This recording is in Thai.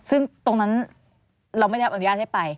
ซึ่งตรงนั้นเราไม่ได้รับอนุญาตให้ไป